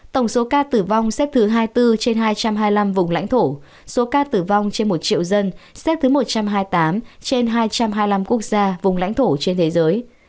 tổng số ca tử vong xếp thứ hai mươi bốn trên hai trăm hai mươi năm vùng lãnh thổ số ca tử vong trên một triệu dân xếp thứ một trăm hai mươi tám trên hai trăm hai mươi năm quốc gia vùng lãnh thổ trên thế giới